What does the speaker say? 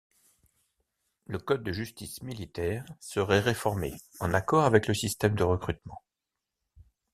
Le Code de justice militaire serait réformé, en accord avec le système de recrutement.